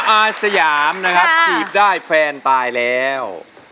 อาสยามนะครับจีบได้แฟนตายแล้ว